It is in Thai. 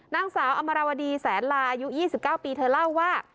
นางสาวอมรวดีแสนลาอายุ๒๙ปีเธอเล่าว่า